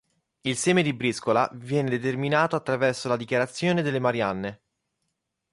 Il seme di briscola viene determinato attraverso la dichiarazione delle marianne.